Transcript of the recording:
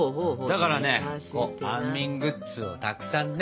だからね安眠グッズをたくさんね。